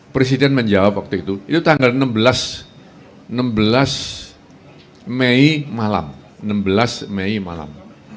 presiden menjawab waktu itu itu tanggal enam belas mei malam enam belas mei malam seribu sembilan ratus sembilan puluh delapan